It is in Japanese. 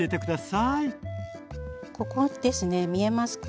ここですね見えますか？